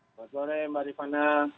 selamat sore mbak rifana